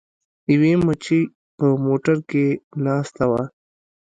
یوې مچۍ په موټر کې ناسته وه.